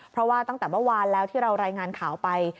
เพราะว่าตั้งแต่เมื่อวานแล้วที่เรารายงานข่าวไป